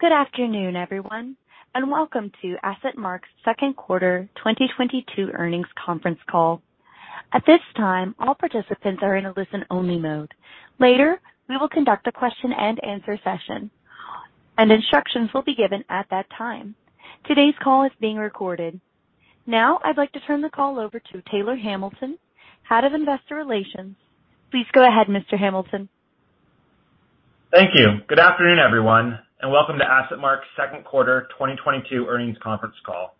Good afternoon, everyone, and welcome to AssetMark's second quarter 2022 earnings conference call. At this time, all participants are in a listen-only mode. Later, we will conduct a question-and-answer session, and instructions will be given at that time. Today's call is being recorded. Now I'd like to turn the call over to Taylor Hamilton, Head of Investor Relations. Please go ahead, Mr. Hamilton. Thank you. Good afternoon, everyone, and welcome to AssetMark's second quarter 2022 earnings conference call.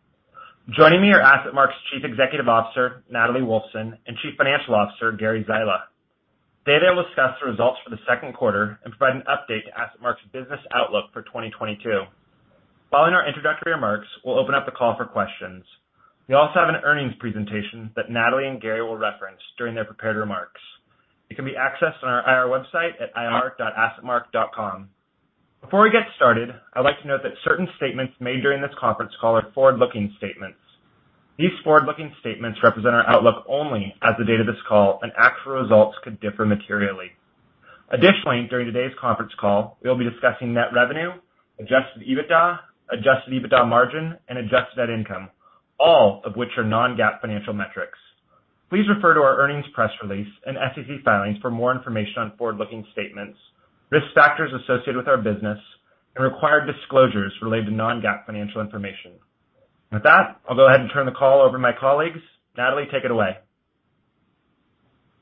Joining me are AssetMark's Chief Executive Officer, Natalie Wolfsen, and Chief Financial Officer, Gary Zyla. They will discuss the results for the second quarter and provide an update to AssetMark's business outlook for 2022. Following our introductory remarks, we'll open up the call for questions. We also have an earnings presentation that Natalie and Gary will reference during their prepared remarks. It can be accessed on our IR website at ir.assetmark.com. Before we get started, I'd like to note that certain statements made during this conference call are forward-looking statements. These forward-looking statements represent our outlook only as of the date of this call and actual results could differ materially. Additionally, during today's conference call, we'll be discussing net revenue, adjusted EBITDA, adjusted EBITDA margin, and adjusted net income, all of which are non-GAAP financial metrics. Please refer to our earnings press release and SEC filings for more information on forward-looking statements, risk factors associated with our business, and required disclosures related to non-GAAP financial information. With that, I'll go ahead and turn the call over to my colleagues. Natalie, take it away.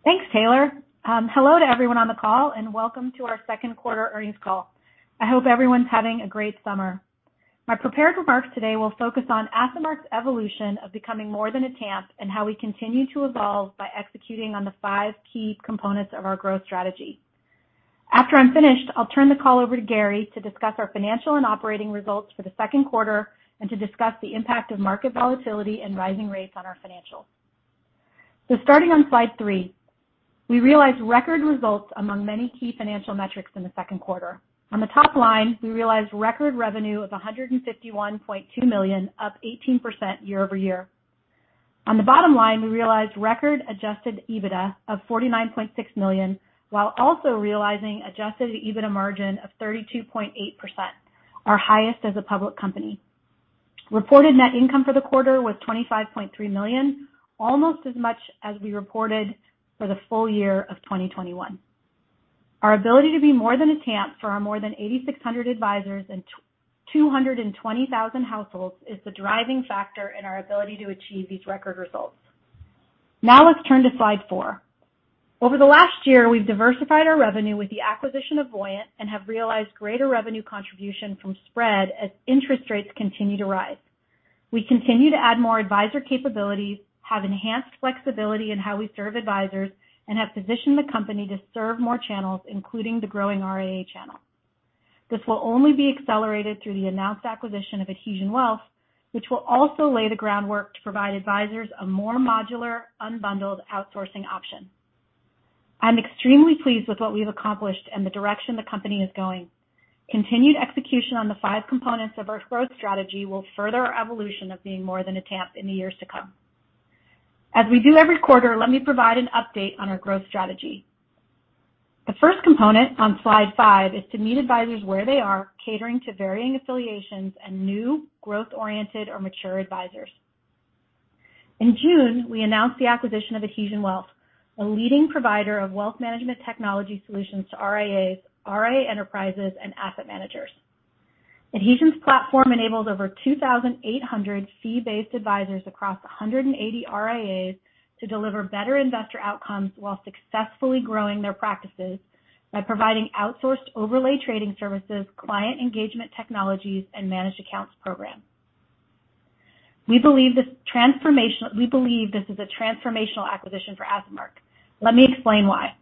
Thanks, Taylor. Hello to everyone on the call, and welcome to our second quarter earnings call. I hope everyone's having a great summer. My prepared remarks today will focus on AssetMark's evolution of becoming more than a TAMP and how we continue to evolve by executing on the five key components of our growth strategy. After I'm finished, I'll turn the call over to Gary to discuss our financial and operating results for the second quarter and to discuss the impact of market volatility and rising rates on our financials. Starting on slide three, we realized record results among many key financial metrics in the second quarter. On the top line, we realized record revenue of $151.2 million, up 18% year-over-year. On the bottom line, we realized record adjusted EBITDA of $49.6 million, while also realizing adjusted EBITDA margin of 32.8%, our highest as a public company. Reported net income for the quarter was $25.3 million, almost as much as we reported for the full year of 2021. Our ability to be more than a TAMP for our more than 8,600 advisors and 220,000 households is the driving factor in our ability to achieve these record results. Now let's turn to slide four. Over the last year, we've diversified our revenue with the acquisition of Voyant and have realized greater revenue contribution from spread as interest rates continue to rise. We continue to add more advisor capabilities, have enhanced flexibility in how we serve advisors, and have positioned the company to serve more channels, including the growing RIA channel. This will only be accelerated through the announced acquisition of Adhesion Wealth, which will also lay the groundwork to provide advisors a more modular, unbundled outsourcing option. I'm extremely pleased with what we've accomplished and the direction the company is going. Continued execution on the five components of our growth strategy will further our evolution of being more than a TAMP in the years to come. As we do every quarter, let me provide an update on our growth strategy. The first component on slide five is to meet advisors where they are, catering to varying affiliations and new growth-oriented or mature advisors. In June, we announced the acquisition of Adhesion Wealth, a leading provider of wealth management technology solutions to RIAs, RIA enterprises, and asset managers. Adhesion's platform enables over 2,800 fee-based advisors across 180 RIAs to deliver better investor outcomes while successfully growing their practices by providing outsourced overlay trading services, client engagement technologies, and managed accounts program. We believe this is a transformational acquisition for AssetMark. Let me explain why.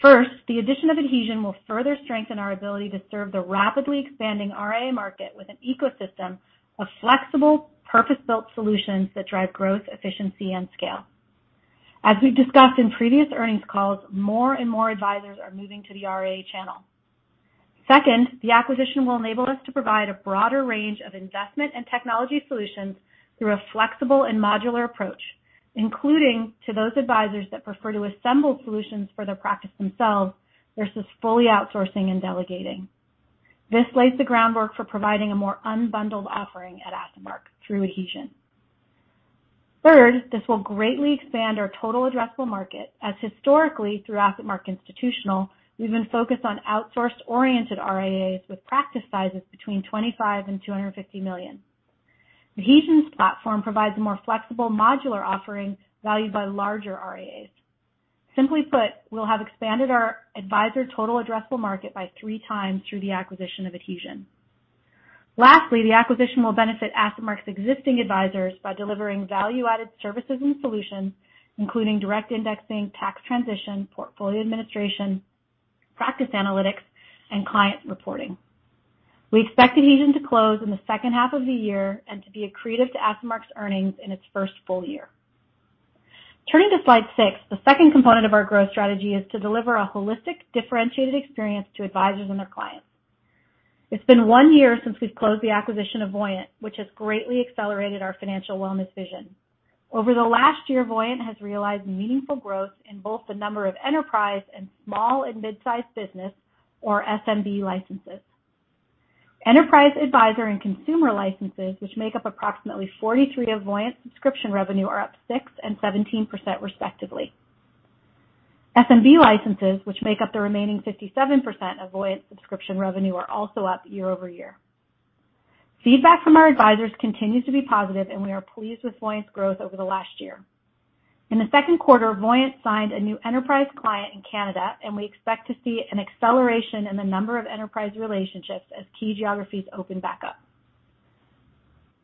First, the addition of Adhesion will further strengthen our ability to serve the rapidly expanding RIA market with an ecosystem of flexible, purpose-built solutions that drive growth, efficiency, and scale. As we've discussed in previous earnings calls, more and more advisors are moving to the RIA channel. Second, the acquisition will enable us to provide a broader range of investment and technology solutions through a flexible and modular approach, including to those advisors that prefer to assemble solutions for their practice themselves versus fully outsourcing and delegating. This lays the groundwork for providing a more unbundled offering at AssetMark through Adhesion. Third, this will greatly expand our total addressable market, as historically, through AssetMark Institutional, we've been focused on outsourced-oriented RIAs with practice sizes between $25 million and $250 million. Adhesion's platform provides a more flexible modular offering valued by larger RIAs. Simply put, we'll have expanded our advisor total addressable market by three times through the acquisition of Adhesion. Lastly, the acquisition will benefit AssetMark's existing advisors by delivering value-added services and solutions, including direct indexing, tax transition, portfolio administration, practice analytics, and client reporting. We expect Adhesion to close in the second half of the year and to be accretive to AssetMark's earnings in its first full year. Turning to slide six, the second component of our growth strategy is to deliver a holistic, differentiated experience to advisors and their clients. It's been one year since we've closed the acquisition of Voyant, which has greatly accelerated our financial wellness vision. Over the last year, Voyant has realized meaningful growth in both the number of enterprise and small and mid-sized business or SMB licenses. Enterprise advisor and consumer licenses, which make up approximately 43% of Voyant subscription revenue, are up 6% and 17% respectively. SMB licenses, which make up the remaining 57% of Voyant subscription revenue, are also up year-over-year. Feedback from our advisors continues to be positive, and we are pleased with Voyant's growth over the last year. In the second quarter, Voyant signed a new enterprise client in Canada, and we expect to see an acceleration in the number of enterprise relationships as key geographies open back up.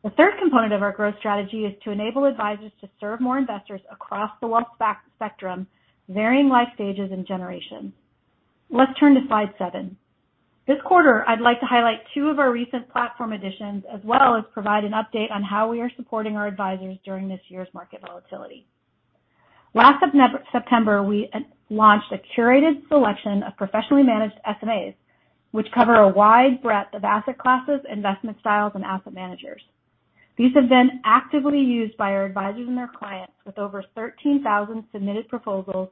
The third component of our growth strategy is to enable advisors to serve more investors across the wealth spectrum, varying life stages and generations. Let's turn to slide 7. This quarter, I'd like to highlight two of our recent platform additions, as well as provide an update on how we are supporting our advisors during this year's market volatility. Last September, we launched a curated selection of professionally managed SMAs, which cover a wide breadth of asset classes, investment styles, and asset managers. These have been actively used by our advisors and their clients, with over 13,000 submitted proposals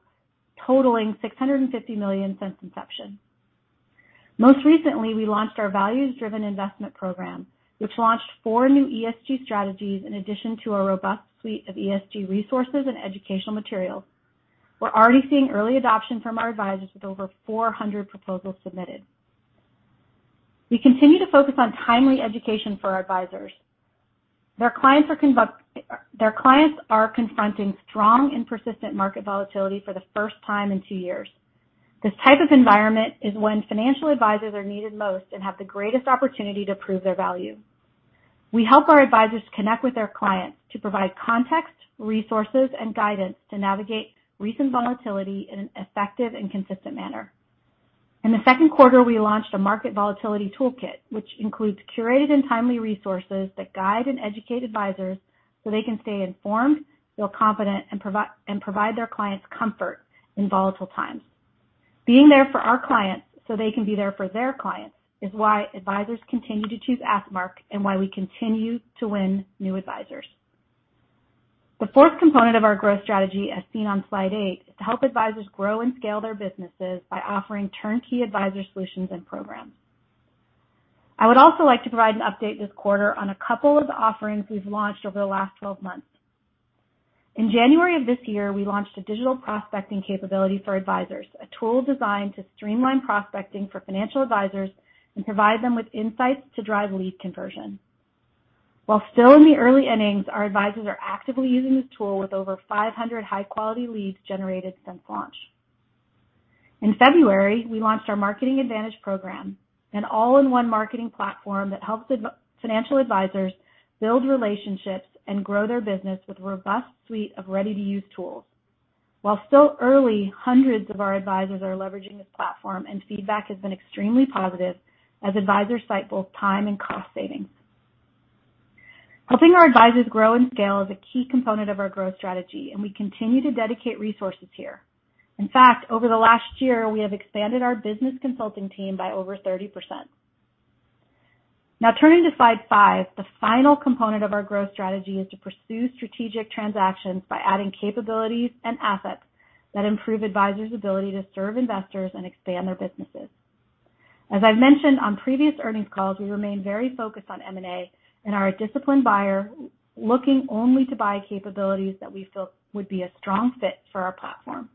totaling $650 million since inception. Most recently, we launched our values-driven investment program, which launched four new ESG strategies in addition to our robust suite of ESG resources and educational materials. We're already seeing early adoption from our advisors, with over 400 proposals submitted. We continue to focus on timely education for our advisors. Their clients are confronting strong and persistent market volatility for the first time in two years. This type of environment is when financial advisors are needed most and have the greatest opportunity to prove their value. We help our advisors connect with their clients to provide context, resources, and guidance to navigate recent volatility in an effective and consistent manner. In the second quarter, we launched a market volatility toolkit, which includes curated and timely resources that guide and educate advisors so they can stay informed, feel confident, and provide their clients comfort in volatile times. Being there for our clients so they can be there for their clients is why advisors continue to choose AssetMark and why we continue to win new advisors. The fourth component of our growth strategy, as seen on slide eight, is to help advisors grow and scale their businesses by offering turnkey advisor solutions and programs. I would also like to provide an update this quarter on a couple of offerings we've launched over the last 12 months. In January of this year, we launched a digital prospecting capability for advisors, a tool designed to streamline prospecting for financial advisors and provide them with insights to drive lead conversion. While still in the early innings, our advisors are actively using this tool, with over 500 high-quality leads generated since launch. In February, we launched our Marketing Advantage program, an all-in-one marketing platform that helps financial advisors build relationships and grow their business with a robust suite of ready-to-use tools. While still early, hundreds of our advisors are leveraging this platform, and feedback has been extremely positive as advisors cite both time and cost savings. Helping our advisors grow and scale is a key component of our growth strategy, and we continue to dedicate resources here. In fact, over the last year, we have expanded our business consulting team by over 30%. Now turning to slide five. The final component of our growth strategy is to pursue strategic transactions by adding capabilities and assets that improve advisors' ability to serve investors and expand their businesses. As I've mentioned on previous earnings calls, we remain very focused on M&A and are a disciplined buyer, looking only to buy capabilities that we feel would be a strong fit for our platform.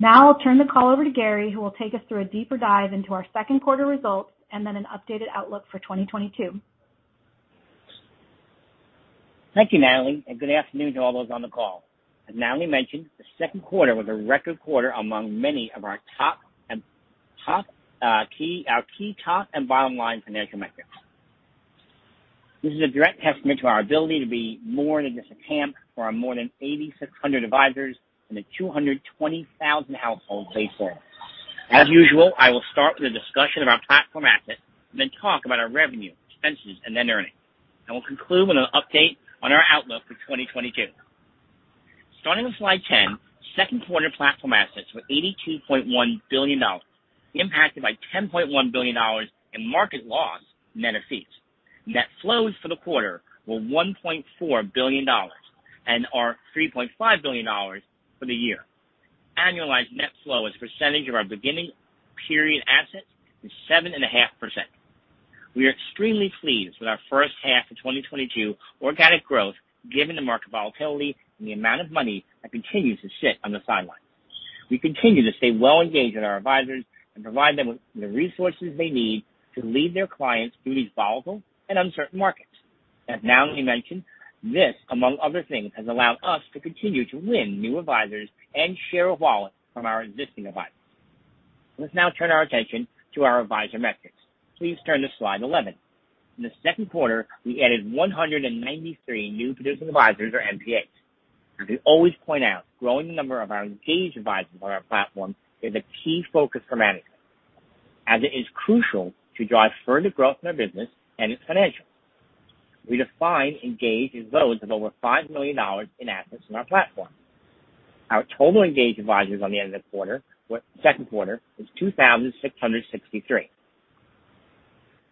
Now I'll turn the call over to Gary Zyla, who will take us through a deeper dive into our second quarter results and then an updated outlook for 2022. Thank you, Natalie, and good afternoon to all those on the call. As Natalie mentioned, the second quarter was a record quarter among many of our top and bottom line financial metrics. This is a direct testament to our ability to be more than just a TAMP for our more than 8,600 advisors and the 220,000 households they serve. As usual, I will start with a discussion of our platform assets and then talk about our revenue, expenses, and then earnings. I will conclude with an update on our outlook for 2022. Starting with slide 10, second quarter platform assets were $82.1 billion, impacted by $10.1 billion in market loss net of fees. Net flows for the quarter were $1.4 billion and $3.5 billion for the year. Annualized net flow as a percentage of our beginning period assets is 7.5%. We are extremely pleased with our first half of 2022 organic growth given the market volatility and the amount of money that continues to sit on the sidelines. We continue to stay well engaged with our advisors and provide them with the resources they need to lead their clients through these volatile and uncertain markets. As Natalie mentioned, this, among other things, has allowed us to continue to win new advisors and share of wallet from our existing advisors. Let's now turn our attention to our advisor metrics. Please turn to slide 11. In the second quarter, we added 193 new producing advisors or NPAs. As we always point out, growing the number of our engaged advisors on our platform is a key focus for management, as it is crucial to drive further growth in our business and its financials. We define engaged as those with over $5 million in assets on our platform. Our total engaged advisors at the end of the quarter were 2,663.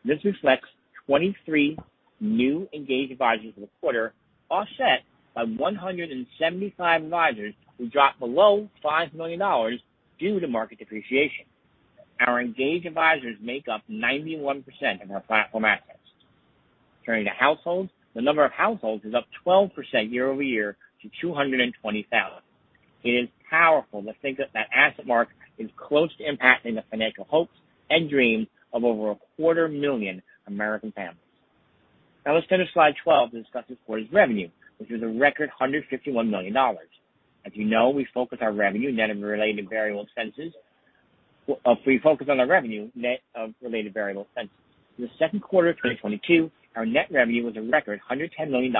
This reflects 23 new engaged advisors in the quarter, offset by 175 advisors who dropped below $5 million due to market depreciation. Our engaged advisors make up 91% of our platform assets. Turning to households. The number of households is up 12% year-over-year to 220,000. It is powerful to think that AssetMark is close to impacting the financial hopes and dreams of over 250,000 American families. Now let's turn to slide 12 to discuss this quarter's revenue, which was a record $151 million. As you know, we focus our revenue net of related variable expenses. In the second quarter of 2022, our net revenue was a record $110 million,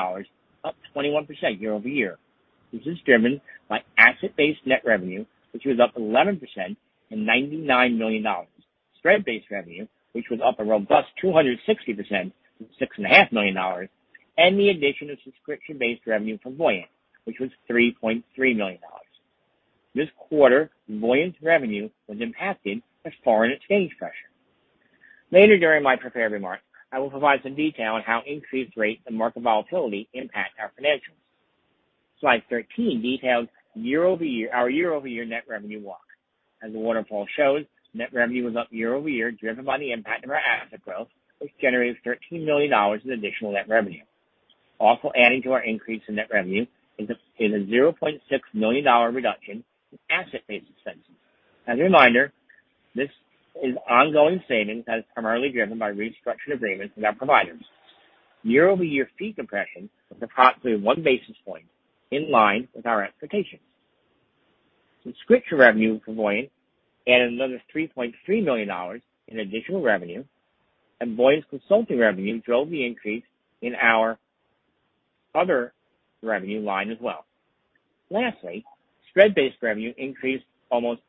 up 21% year-over-year. This is driven by asset-based net revenue, which was up 11% to $99 million. Spread-based revenue, which was up a robust 260% to $6.5 million. The addition of subscription-based revenue from Voyant, which was $3.3 million. This quarter, Voyant's revenue was impacted by foreign exchange pressure. Later during my prepared remarks, I will provide some detail on how increased rates and market volatility impact our financials. Slide 13 details year-over-year our year-over-year net revenue walk. As the waterfall shows, net revenue was up year-over-year, driven by the impact of our asset growth, which generated $13 million in additional net revenue. Also adding to our increase in net revenue is a $0.6 million dollar reduction in asset-based expenses. As a reminder, this is ongoing savings that is primarily driven by restructured agreements with our providers. Year-over-year fee compression was approximately one basis point in line with our expectations. Subscription revenue for Voyant added another $3.3 million in additional revenue, and Voyant's consulting revenue drove the increase in our other revenue line as well. Lastly, spread-based revenue increased almost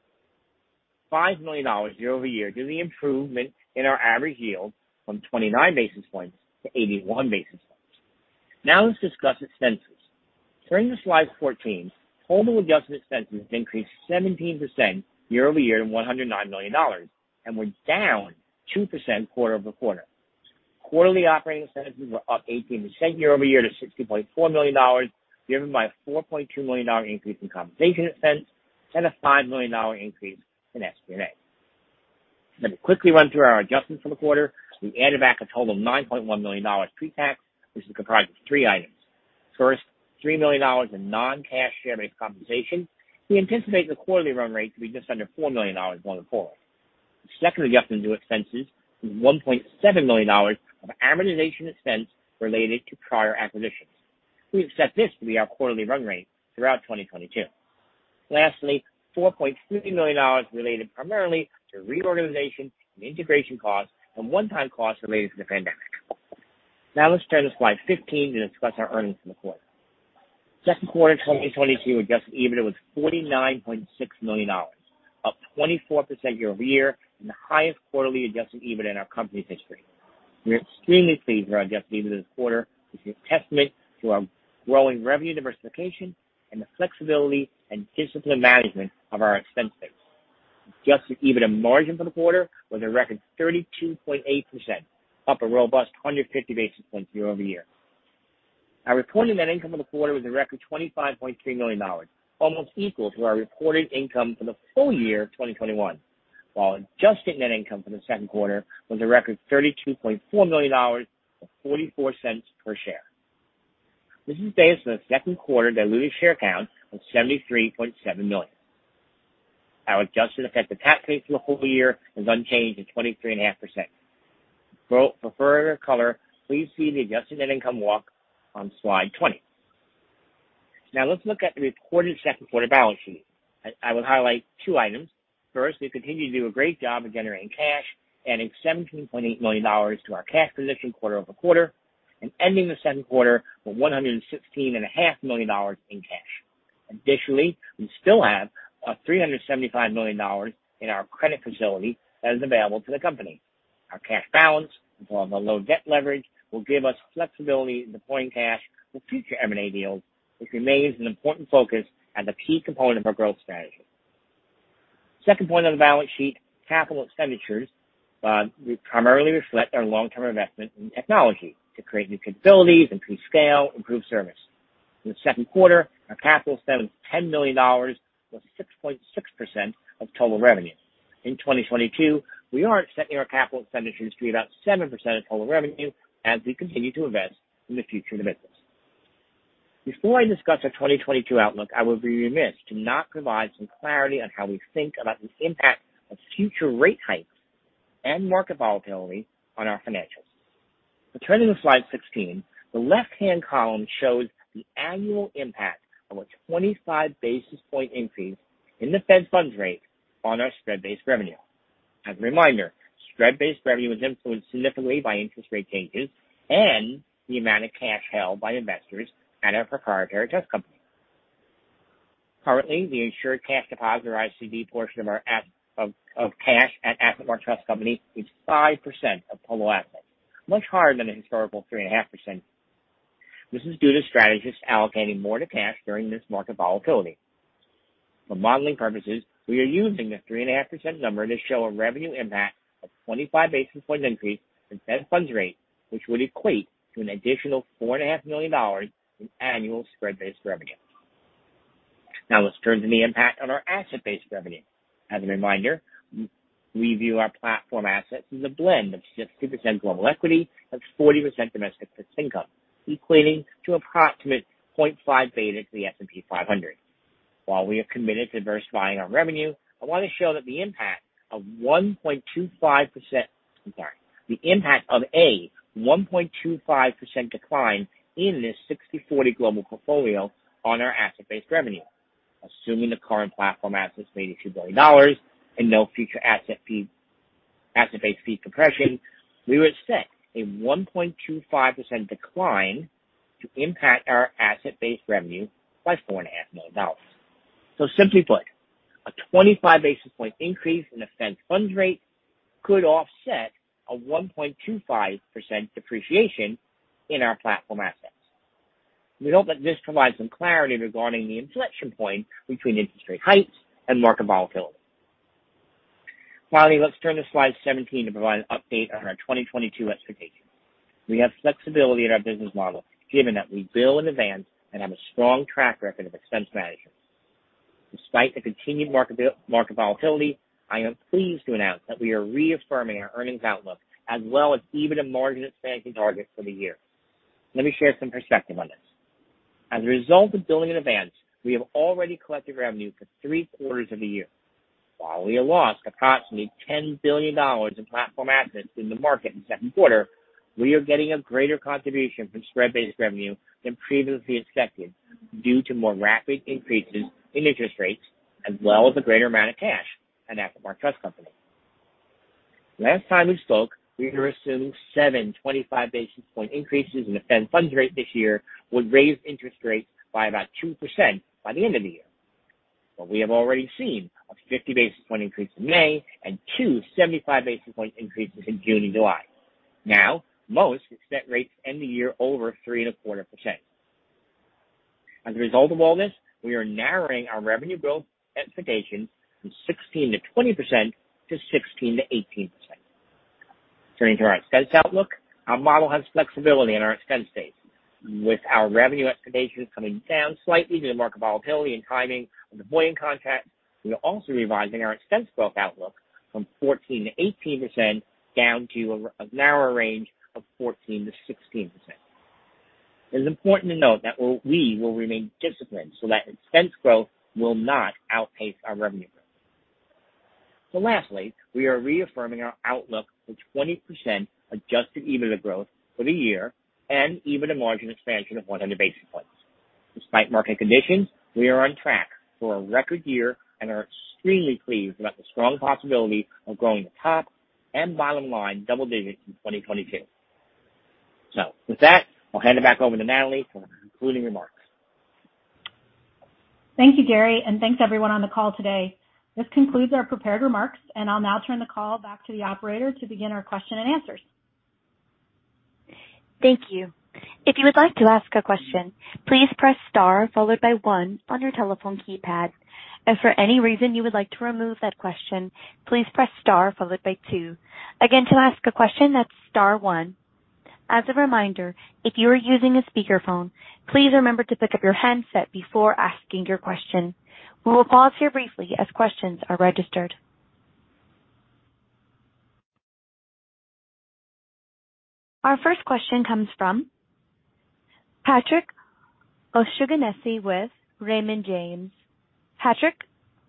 $5 million year-over-year due to the improvement in our average yield from 29 basis points to 81 basis points. Now let's discuss expenses. Turning to slide 14. Total adjusted expenses increased 17% year-over-year to $109 million and were down 2% quarter-over-quarter. Quarterly operating expenses were up 18% year-over-year to $60.4 million, driven by a $4.2 million increase in compensation expense and a $5 million increase in SG&A. Let me quickly run through our adjustments for the quarter. We added back a total of $9.1 million pretax, which is comprised of three items. First, $3 million in non-cash share-based compensation. We anticipate the quarterly run rate to be just under $4 million going forward. The second adjustment to expenses was $1.7 million of amortization expense related to prior acquisitions. We expect this to be our quarterly run rate throughout 2022. Lastly, $4.3 million related primarily to reorganization and integration costs and one-time costs related to the pandemic. Now let's turn to slide 15 to discuss our earnings for the quarter. Second quarter 2022 adjusted EBITDA was $49.6 million, up 24% year-over-year, and the highest quarterly adjusted EBITDA in our company's history. We are extremely pleased with our adjusted EBITDA this quarter, which is a testament to our growing revenue diversification and the flexibility and disciplined management of our expense base. Adjusted EBITDA margin for the quarter was a record 32.8%, up a robust 150 basis points year-over-year. Our reported net income for the quarter was a record $25.3 million, almost equal to our reported income for the full year of 2021. While adjusted net income for the second quarter was a record $32.4 million, or $0.44 per share. This is based on the second quarter diluted share count of 73.7 million. Our adjusted effective tax rate for the whole year is unchanged at 23.5%. For further color, please see the adjusted net income walk on slide 20. Now let's look at the reported second quarter balance sheet. I will highlight two items. First, we continue to do a great job of generating cash, adding $17.8 million to our cash position quarter-over-quarter, and ending the second quarter with $116.5 million in cash. Additionally, we still have $375 million in our credit facility that is available to the company. Our cash balance, along with low debt leverage, will give us flexibility in deploying cash for future M&A deals, which remains an important focus and a key component of our growth strategy. Second point on the balance sheet. Capital expenditures, which primarily reflect our long-term investment in technology to create new capabilities, increase scale, improve service. In the second quarter, our capital spend was $10 million, or 6.6% of total revenue. In 2022 we are expecting our capital expenditures to be about 7% of total revenue as we continue to invest in the future of the business. Before I discuss our 2022 outlook, I would be remiss to not provide some clarity on how we think about the impact of future rate hikes and market volatility on our financials. Turning to slide 16. The left-hand column shows the annual impact of a 25 basis point increase in the Fed funds rate on our spread-based revenue. As a reminder, spread-based revenue is influenced significantly by interest rate changes and the amount of cash held by investors at our proprietary trust company. Currently, the insured cash deposit, or ICD portion of our cash at AssetMark Trust Company is 5% of total assets, much higher than a historical 3.5%. This is due to strategists allocating more to cash during this market volatility. For modeling purposes, we are using the 3.5% number to show a revenue impact of 25 basis point increase in Fed funds rate, which would equate to an additional $4.5 million in annual spread-based revenue. Now let's turn to the impact on our asset-based revenue. As a reminder, we view our platform assets as a blend of 60% global equity and 40% domestic fixed income, equating to approximate 0.5 beta to the S&P 500. While we are committed to diversifying our revenue, I want to show that the impact of a 1.25% decline in this 60/40 global portfolio on our asset-based revenue. Assuming the current platform assets, $82 billion and no future asset-based fee compression, we would see a 1.25% decline to impact our asset-based revenue by $4.5 million. Simply put, a 25 basis point increase in the Fed funds rate could offset a 1.25% depreciation in our platform assets. We hope that this provides some clarity regarding the inflection point between interest rate hikes and market volatility. Finally, let's turn to slide 17 to provide an update on our 2022 expectations. We have flexibility in our business model, given that we bill in advance and have a strong track record of expense management. Despite the continued market volatility, I am pleased to announce that we are reaffirming our earnings outlook as well as even a margin expansion target for the year. Let me share some perspective on this. As a result of billing in advance, we have already collected revenue for three quarters of the year. While we have lost approximately $10 billion in platform assets in the market in second quarter, we are getting a greater contribution from spread-based revenue than previously expected due to more rapid increases in interest rates as well as a greater amount of cash at AssetMark Trust Company. Last time we spoke, we were assuming 7 25 basis point increases in the Fed funds rate this year would raise interest rates by about 2% by the end of the year. We have already seen a 50 basis point increase in May and two 75 basis point increases in June and July. Now, most expect rates to end the year over 3.25%. As a result of all this, we are narrowing our revenue growth expectations from 16%-20% to 16%-18%. Turning to our expense outlook. Our model has flexibility in our expense base. With our revenue expectations coming down slightly due to market volatility and timing of the Voyant contract, we are also revising our expense growth outlook from 14%-18% down to a narrower range of 14%-16%. It is important to note that we will remain disciplined so that expense growth will not outpace our revenue growth. Lastly, we are reaffirming our outlook for 20% adjusted EBITDA growth for the year and even a margin expansion of 100 basis points. Despite market conditions, we are on track for a record year and are extremely pleased about the strong possibility of growing the top and bottom line double digits in 2022. With that, I'll hand it back over to Natalie for concluding remarks. Thank you, Gary, and thanks, everyone on the call today. This concludes our prepared remarks, and I'll now turn the call back to the operator to begin our question and answers. Thank you. If you would like to ask a question, please press star followed by one on your telephone keypad. If for any reason you would like to remove that question, please press star followed by two. Again, to ask a question, that's star one. As a reminder, if you are using a speakerphone, please remember to pick up your handset before asking your question. We will pause here briefly as questions are registered. Our first question comes from Patrick O'Shaughnessy with Raymond James. Patrick,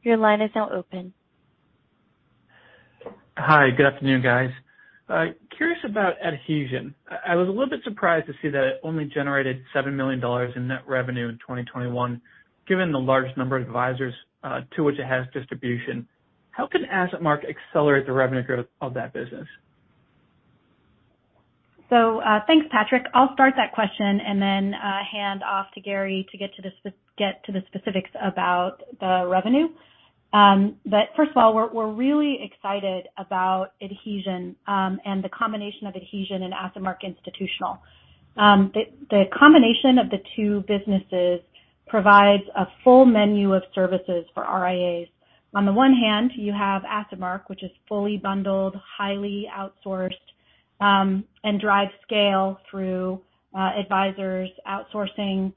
your line is now open. Hi. Good afternoon, guys. Curious about Adhesion. I was a little bit surprised to see that it only generated $7 million in net revenue in 2021, given the large number of advisors to which it has distribution. How can AssetMark accelerate the revenue growth of that business? Thanks, Patrick. I'll start that question and then hand off to Gary to get to the specifics about the revenue. First of all, we're really excited about Adhesion and the combination of Adhesion and AssetMark Institutional. The combination of the two businesses provides a full menu of services for RIAs. On the one hand, you have AssetMark, which is fully bundled, highly outsourced, and drives scale through advisors outsourcing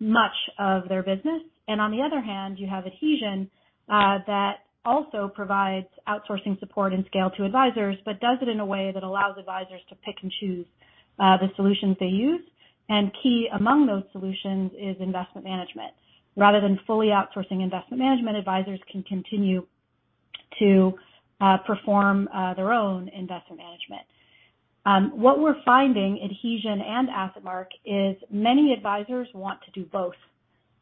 much of their business. On the other hand, you have Adhesion that also provides outsourcing support and scale to advisors, but does it in a way that allows advisors to pick and choose the solutions they use. Key among those solutions is investment management. Rather than fully outsourcing investment management, advisors can continue to perform their own investment management. What we're finding, Adhesion and AssetMark, is many advisors want to do both.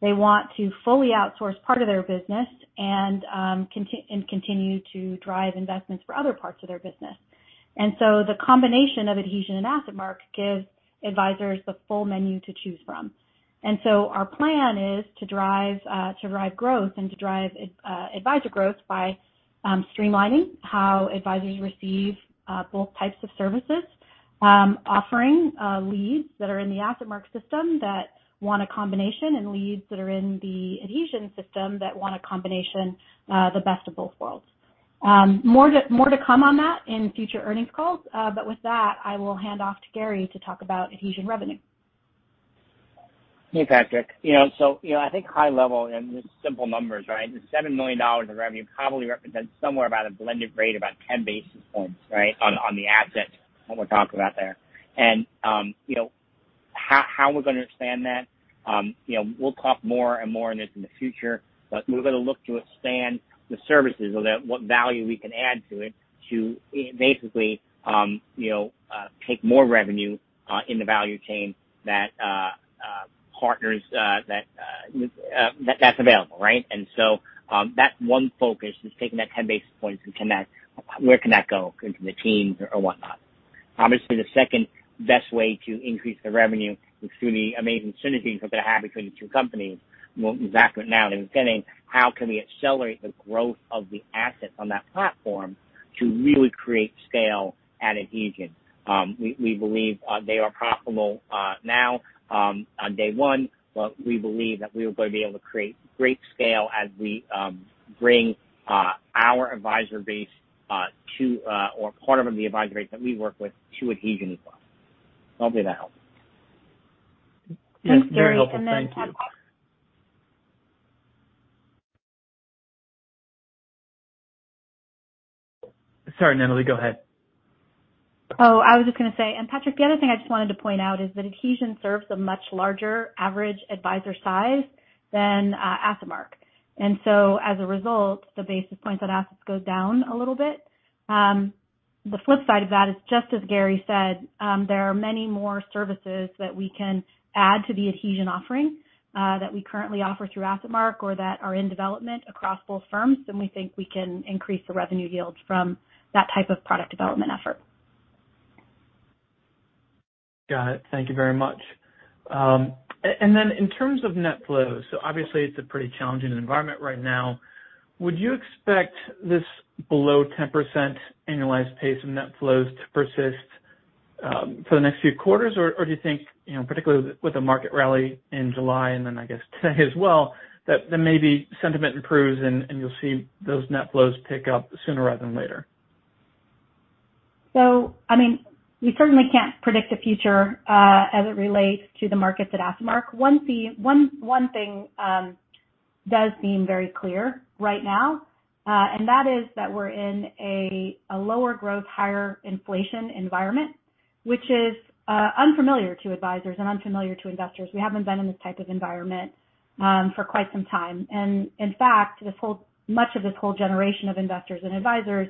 They want to fully outsource part of their business and continue to drive investments for other parts of their business. The combination of Adhesion and AssetMark gives advisors the full menu to choose from. Our plan is to drive growth and to drive advisor growth by streamlining how advisors receive both types of services. Offering leads that are in the AssetMark system that want a combination, and leads that are in the Adhesion system that want a combination, the best of both worlds. More to come on that in future earnings calls. With that, I will hand off to Gary to talk about Adhesion revenue. Hey, Patrick. You know, so, you know, I think high level and just simple numbers, right? The $7 million in revenue probably represents somewhere about a blended rate, about 10 basis points, right, on the assets that we're talking about there. You know, how we're gonna expand that, you know, we'll talk more and more on this in the future, but we're gonna look to expand the services so that what value we can add to it to basically take more revenue in the value chain that partners that that's available, right? That one focus is taking that 10 basis points and see where that can go into the teams or whatnot. Obviously, the second best way to increase the revenue is through the amazing synergies that's gonna happen between the two companies. Well, exactly now understanding how can we accelerate the growth of the assets on that platform to really create scale at Adhesion. We believe they are profitable now on day one, but we believe that we are gonna be able to create great scale as we bring our advisor base to or part of the advisor base that we work with to Adhesion as well. Hopefully that helps. Thanks, Gary. Very helpful. Thank you. Patrick. Sorry, Natalie, go ahead. Oh, I was just gonna say, Patrick, the other thing I just wanted to point out is that Adhesion serves a much larger average advisor size than AssetMark. As a result, the basis points on assets goes down a little bit. The flip side of that is just as Gary said, there are many more services that we can add to the Adhesion offering, that we currently offer through AssetMark or that are in development across both firms, and we think we can increase the revenue yield from that type of product development effort. Got it. Thank you very much. In terms of net flows, obviously it's a pretty challenging environment right now. Would you expect this below 10% annualized pace in net flows to persist for the next few quarters? Or do you think, you know, particularly with the market rally in July and then I guess today as well, that maybe sentiment improves and you'll see those net flows pick up sooner rather than later? I mean, we certainly can't predict the future as it relates to the markets at AssetMark. One thing does seem very clear right now, and that is that we're in a lower growth, higher inflation environment, which is unfamiliar to advisors and unfamiliar to investors. We haven't been in this type of environment for quite some time. In fact, much of this whole generation of investors and advisors,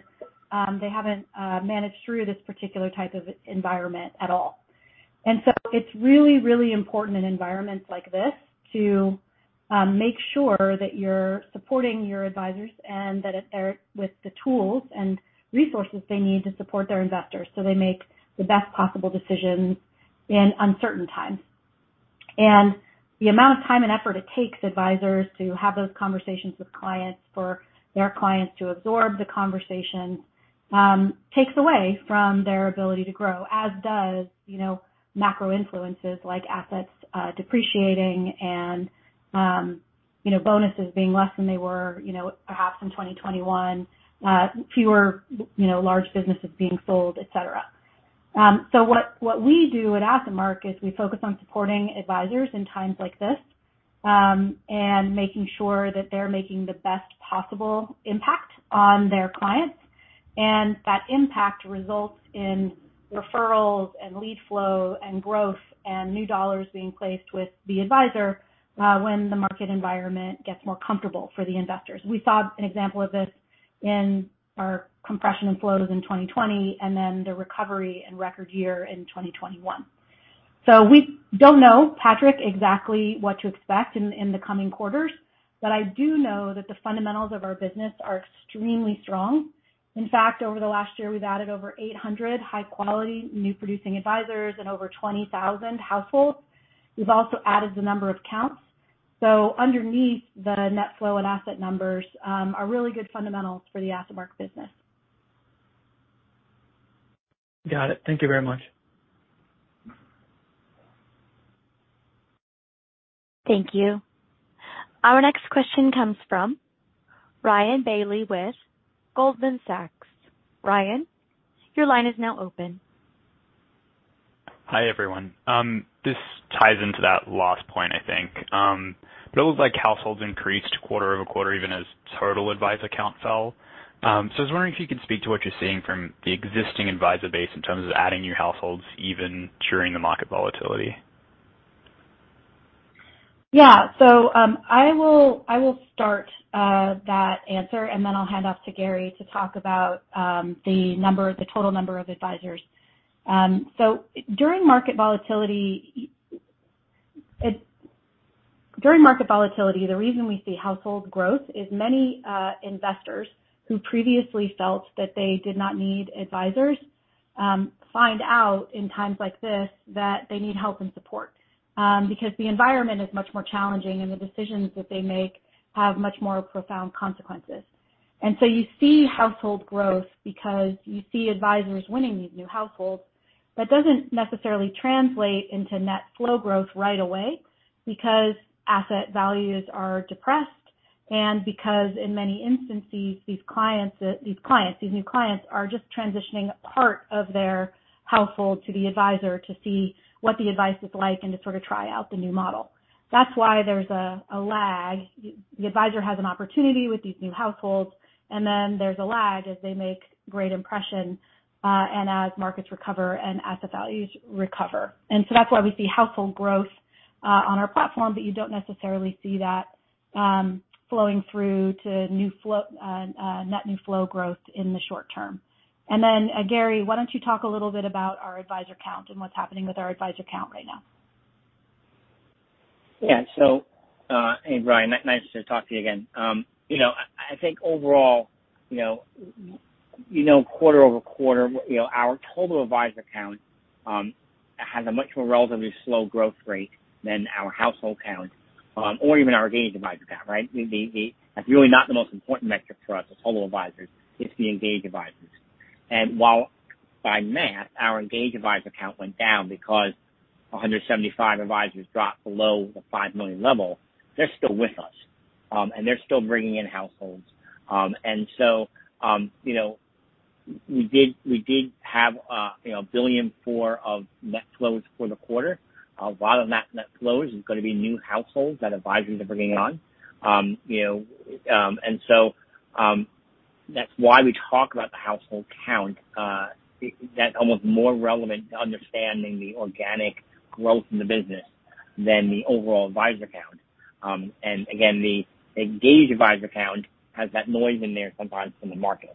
they haven't managed through this particular type of environment at all. It's really, really important in environments like this to make sure that you're supporting your advisors and that they have the tools and resources they need to support their investors, so they make the best possible decisions in uncertain times. The amount of time and effort it takes advisors to have those conversations with clients, for their clients to absorb the conversation, takes away from their ability to grow, as does, you know, macro influences like assets depreciating and, you know, bonuses being less than they were, you know, perhaps in 2021, fewer, you know, large businesses being sold, et cetera. What we do at AssetMark is we focus on supporting advisors in times like this, and making sure that they're making the best possible impact on their clients. That impact results in referrals and lead flow and growth and new dollars being placed with the advisor, when the market environment gets more comfortable for the investors. We saw an example of this in our compression in flows in 2020 and then the recovery and record year in 2021. We don't know, Patrick, exactly what to expect in the coming quarters, but I do know that the fundamentals of our business are extremely strong. In fact, over the last year, we've added over 800 high quality new producing advisors and over 20,000 households. We've also added the number of accounts. Underneath the net flow and asset numbers are really good fundamentals for the AssetMark business. Got it. Thank you very much. Thank you. Our next question comes from Ryan Bailey with Goldman Sachs. Ryan, your line is now open. Hi, everyone. This ties into that last point, I think. It looks like households increased quarter over quarter even as total advisor count fell. I was wondering if you could speak to what you're seeing from the existing advisor base in terms of adding new households even during the market volatility? Yeah. I will start that answer, and then I'll hand off to Gary to talk about the total number of advisors. During market volatility, the reason we see household growth is many investors who previously felt that they did not need advisors find out in times like this that they need help and support because the environment is much more challenging, and the decisions that they make have much more profound consequences. You see household growth because you see advisors winning these new households. That doesn't necessarily translate into net flow growth right away because asset values are depressed and because in many instances, these new clients are just transitioning part of their household to the advisor to see what the advice is like and to sort of try out the new model. That's why there's a lag. The advisor has an opportunity with these new households, and then there's a lag as they make great impression, and as markets recover and asset values recover. That's why we see household growth on our platform, but you don't necessarily see that flowing through to net new flow growth in the short term. Gary, why don't you talk a little bit about our advisor count and what's happening with our advisor count right now? Hey, Ryan. Nice to talk to you again. You know, I think overall, you know, quarter-over-quarter, you know, our total advisor count has a much more relatively slow growth rate than our household count or even our engaged advisor count, right? That's really not the most important metric for us as total advisors, it's the engaged advisors. While by math, our engaged advisor count went down because 175 advisors dropped below the $5 million level, they're still with us and they're still bringing in households. You know, we did have $1.4 billion of net flows for the quarter. A lot of that net flow is gonna be new households that advisors are bringing on. You know, that's why we talk about the household count that almost more relevant to understanding the organic growth in the business than the overall advisor count. The engaged advisor count has that noise in there sometimes from the market.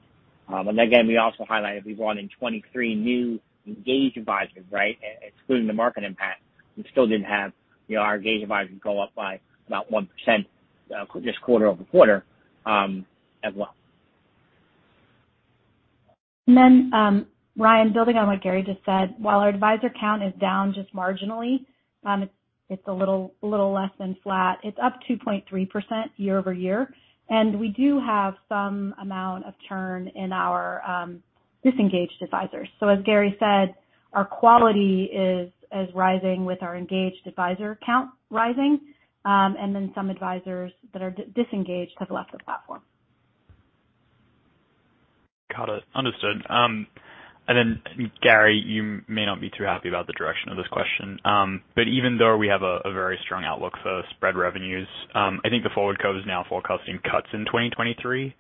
We also highlighted we brought in 23 new engaged advisors, right? Excluding the market impact, we still didn't have, you know, our engaged advisors go up by about 1%, just quarter-over-quarter, as well. Ryan, building on what Gary just said, while our advisor count is down just marginally, it's a little less than flat. It's up 2.3% year-over-year, and we do have some amount of churn in our disengaged advisors. As Gary said, our quality is rising with our engaged advisor count rising, and some advisors that are disengaged have left the platform. Got it. Understood. Gary, you may not be too happy about the direction of this question. Even though we have a very strong outlook for spread revenues, I think the forward curve is now forecasting cuts in 2023. Is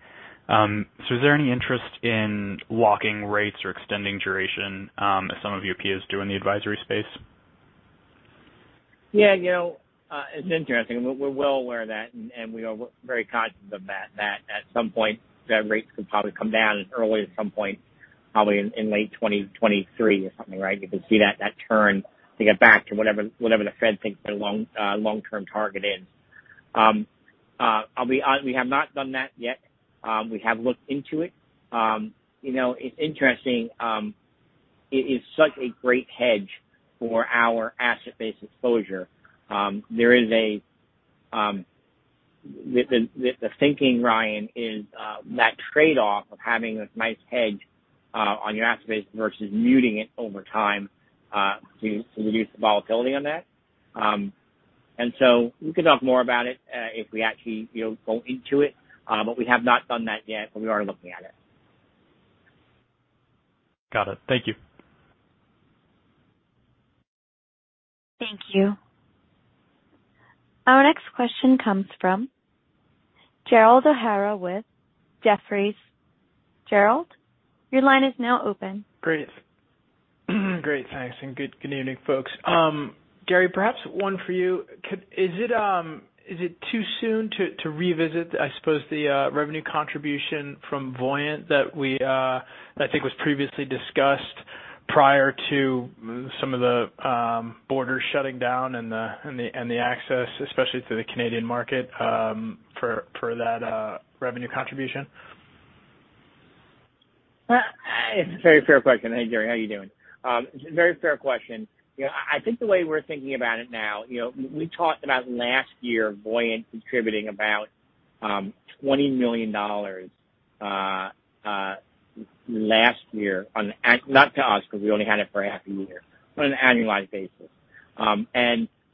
there any interest in locking rates or extending duration, as some of your peers do in the advisory space? Yeah. You know, it's interesting. We're well aware of that, and we are very conscious of that at some point the rates could probably come down as early as some point, probably in late 2023 or something, right? You can see that turn to get back to whatever the Fed thinks their long-term target is. We have not done that yet. We have looked into it. You know, it's interesting. It is such a great hedge for our asset base exposure. The thinking, Ryan, is that trade-off of having this nice hedge on your asset base versus muting it over time to reduce the volatility on that. We can talk more about it if we actually, you know, go into it. We have not done that yet, but we are looking at it. Got it. Thank you. Thank you. Our next question comes from Gerald O'Hara with Jefferies. Gerald, your line is now open. Great. Thanks, and good evening, folks. Gary, perhaps one for you. Is it too soon to revisit, I suppose, the revenue contribution from Voyant that we that I think was previously discussed prior to some of the borders shutting down and the access, especially to the Canadian market, for that revenue contribution? Well, it's a very fair question. Hey, Gerald. How are you doing? Very fair question. You know, I think the way we're thinking about it now, you know, we talked about last year Voyant contributing about $20 million last year on an annualized basis. Not to us, because we only had it for a half a year.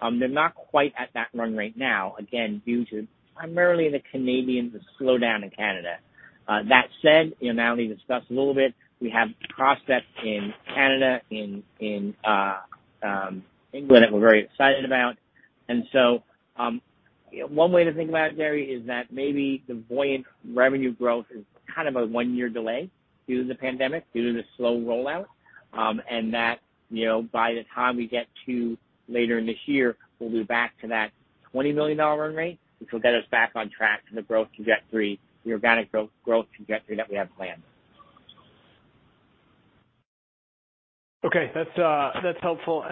They're not quite at that run rate now, again, due to primarily the Canadian slowdown in Canada. That said, you know, now that we discussed a little bit, we have prospects in Canada, in England that we're very excited about. One way to think about it, Gary, is that maybe the Voyant revenue growth is kind of a one-year delay due to the pandemic, due to the slow rollout. That, you know, by the time we get to later in this year, we'll be back to that $20 million run rate, which will get us back on track to the growth trajectory, the organic growth trajectory that we have planned. Okay. That's helpful.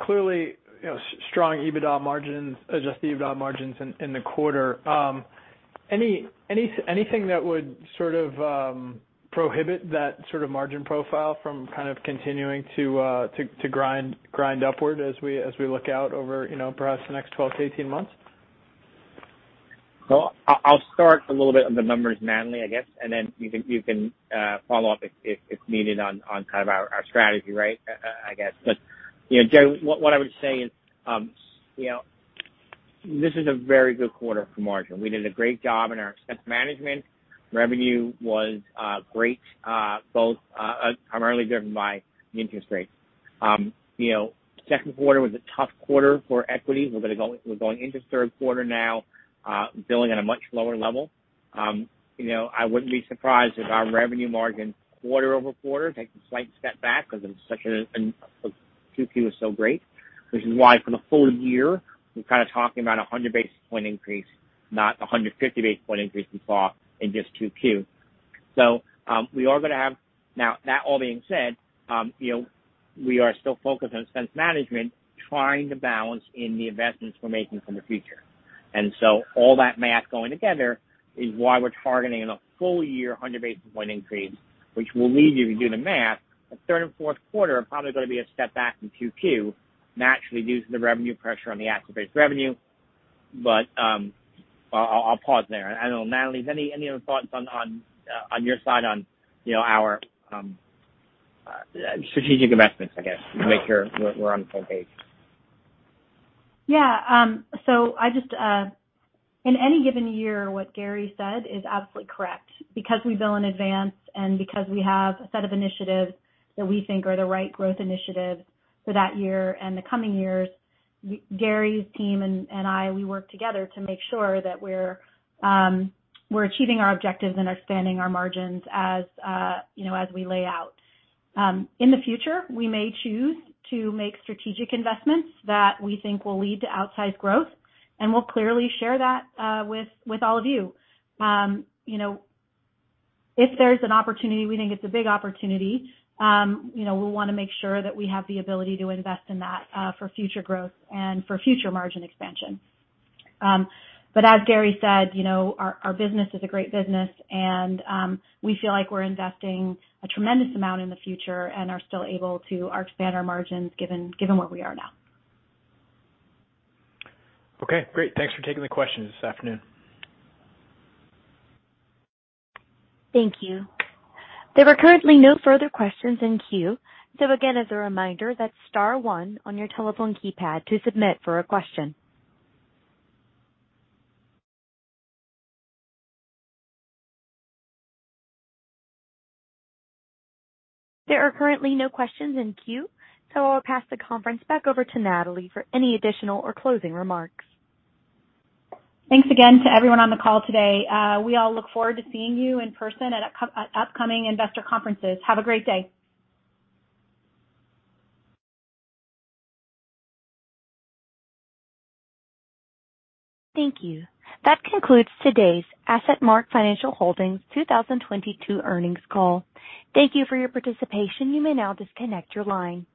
Clearly, you know, strong EBITDA margins, adjusted EBITDA margins in the quarter. Anything that would sort of prohibit that sort of margin profile from kind of continuing to grind upward as we look out over, you know, perhaps the next 12 to 18 months? I'll start a little bit of the numbers, Natalie, I guess, and then you can follow up if needed on kind of our strategy, right? I guess. You know, Gary, what I would say is, you know, this is a very good quarter for margin. We did a great job in our expense management. Revenue was great, both primarily driven by the interest rates. You know, second quarter was a tough quarter for equities. We're going into third quarter now, billing at a much lower level. You know, I wouldn't be surprised if our revenue margin quarter-over-quarter take a slight step back because 2Q was so great, which is why for the full year, we're kind of talking about a 100 basis point increase, not a 150 basis point increase we saw in just 2Q. Now, that all being said, you know, we are still focused on expense management, trying to balance in the investments we're making for the future. All that math going together is why we're targeting in a full year a 100 basis point increase, which will lead you to do the math. Third and fourth quarter are probably gonna be a step back in 2Q, naturally due to the revenue pressure on the asset-based revenue. I'll pause there. I don't know. Natalie, any other thoughts on your side on, you know, our strategic investments, I guess, to make sure we're on the same page? Yeah. In any given year, what Gary said is absolutely correct. Because we bill in advance and because we have a set of initiatives that we think are the right growth initiatives for that year and the coming years, Gary's team and I, we work together to make sure that we're achieving our objectives and expanding our margins as you know, as we lay out. In the future, we may choose to make strategic investments that we think will lead to outsized growth, and we'll clearly share that with all of you. You know, if there's an opportunity, we think it's a big opportunity, you know, we wanna make sure that we have the ability to invest in that for future growth and for future margin expansion. As Gary said, you know, our business is a great business and we feel like we're investing a tremendous amount in the future and are still able to expand our margins given where we are now. Okay, great. Thanks for taking the questions this afternoon. Thank you. There are currently no further questions in queue. Again, as a reminder, that's star one on your telephone keypad to submit for a question. There are currently no questions in queue, so I'll pass the conference back over to Natalie for any additional or closing remarks. Thanks again to everyone on the call today. We all look forward to seeing you in person at upcoming investor conferences. Have a great day. Thank you. That concludes today's AssetMark Financial Holdings 2022 earnings call. Thank you for your participation. You may now disconnect your line.